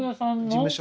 事務所。